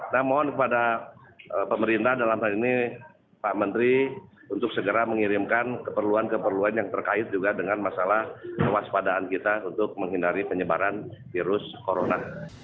namun kepada pemerintah dalam hal ini pak menteri untuk segera mengirimkan keperluan keperluan yang terkait juga dengan masalah kewaspadaan kita untuk menghindari penyebaran virus corona